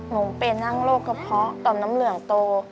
หนูเป็นทั้งโรคกระเพาะต่อมน้ำเหลืองโต